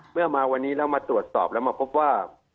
เมื่อมาวันนี้แล้วมาตรวจสอบแล้วมาพบว่า